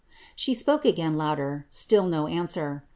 She spoke again, louder ; still no answer.